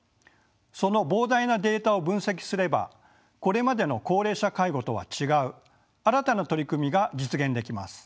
その膨大なデータを分析すればこれまでの高齢者介護とは違う新たな取り組みが実現できます。